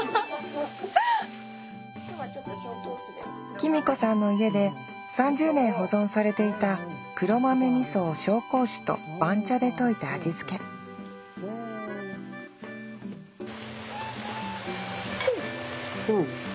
キミ子さんの家で３０年保存されていた黒豆味噌を紹興酒と番茶で溶いて味付けうんおいしい。